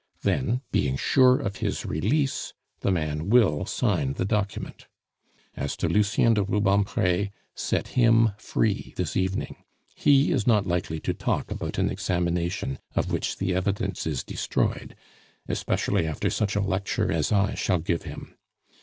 Then, being sure of his release, the man will sign the document. "As to Lucien de Rubempre, set him free this evening; he is not likely to talk about an examination of which the evidence is destroyed, especially after such a lecture as I shall give him.